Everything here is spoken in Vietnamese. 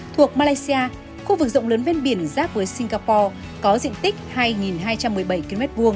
thuộc malaysia khu vực rộng lớn ven biển giáp với singapore có diện tích hai hai trăm một mươi bảy km hai